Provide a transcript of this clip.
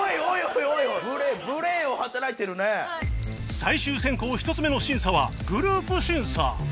最終選考１つ目の審査はグループ審査